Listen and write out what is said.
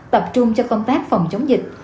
tập trung cho công tác phòng chống dịch